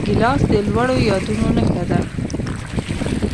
ګیلاس د لوړو یادونو نښه ده.